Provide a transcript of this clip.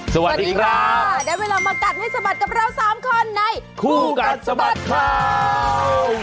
สวัสดีค่ะได้เวลามากัดให้สะบัดกับเราสามคนในคู่กัดสะบัดข่าว